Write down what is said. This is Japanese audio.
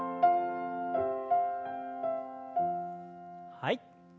はい。